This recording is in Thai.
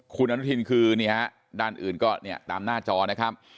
คุณอนุทินคือด้านอื่นก็ตามหน้าจอนะครับ